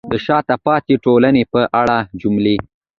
د شاته پاتې ټولنې په اړه جملې: